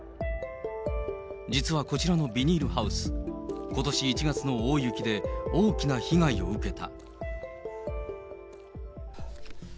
実はこちらのビニールハウス、ことし１月の大雪で大きな被害を受けた。